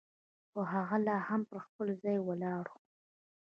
خو هغه لا هم پر خپل ځای ولاړه وه.